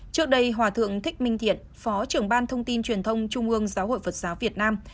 trước đây hòa thượng thích minh thiện phó trưởng ban thông tin truyền thông trung ương giáo hội phật giáo việt nam